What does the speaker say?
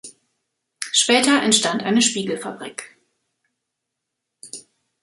Später entstand eine Spiegelfabrik.